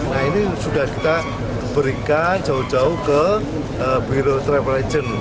nah ini sudah kita berikan jauh jauh ke biro travel agent